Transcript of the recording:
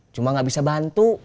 cuma gak bisa bantu